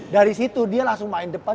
dari situ dia langsung main depan